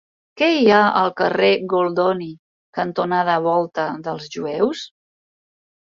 Què hi ha al carrer Goldoni cantonada Volta dels Jueus?